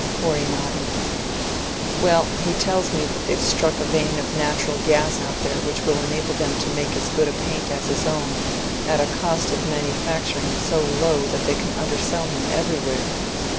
Corey nodded. "Well, he tells me that they've struck a vein of natural gas out there which will enable them to make as good a paint as his own at a cost of manufacturing so low that they can undersell him everywhere.